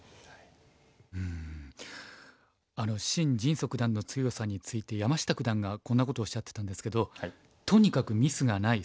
シン・ジンソ九段の強さについて山下九段がこんなことをおっしゃってたんですけど「とにかくミスがない。